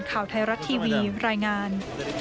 ข่าวไทยรัฐทีวีรายงาน